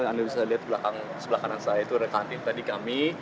anda bisa lihat sebelah kanan saya itu ada kantin tadi kami